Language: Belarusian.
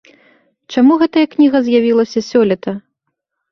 Чаму гэтая кніга з'явілася сёлета?